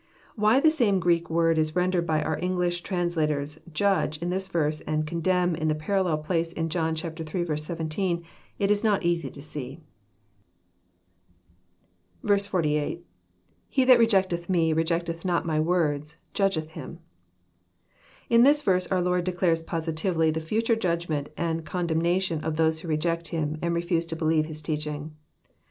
Why the same Greek word is rendered by our English trans lators, ''judge" in this verse, and '' condemn " in the parallel place in John ill. 17, It is not easy to see. 4sS, — [He that rejecteth me,„rec€iv€th not my words,. Judgeth Aim.] In this verse our Lord declares positively the fhture judgment and condemnation of those who reject Him, and refUse to believe His teaching.